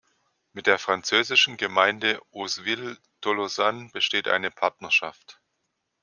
Mit der französischen Gemeinde Auzeville-Tolosane besteht eine Partnerschaft.